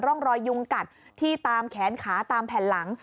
ร่องรอยยุงกัดที่ตามแขนขาตามแผ่นหลัง